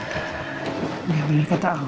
gak boleh kata allah